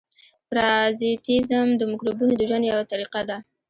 پرازیتېزم د مکروبونو د ژوند یوه طریقه ده.